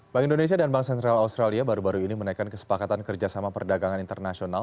bank indonesia dan bank sentral australia baru baru ini menaikkan kesepakatan kerjasama perdagangan internasional